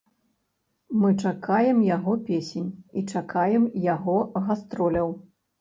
Мы чакаем яго песень, і чакаем яго гастроляў.